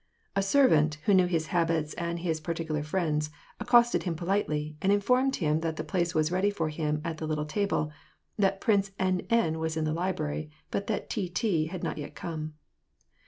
A servant, who knew his habits and his particular friends, accosted him politely, and informed hira that a place was ready for him at the little table, that Prince N. N. was in the library, but that T. T. had not yet come.